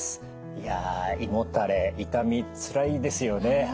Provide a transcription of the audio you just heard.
いや胃もたれ痛みつらいですよね。